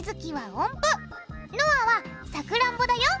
のあはさくらんぼだよ